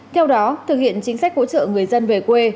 theo đó thực hiện chính sách hỗ trợ người dân về quê